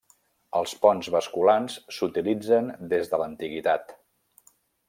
Els ponts basculants s’utilitzen des de l’antiguitat.